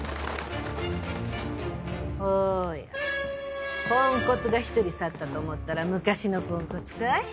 おやポンコツが１人去ったと思ったら昔のポンコツかい？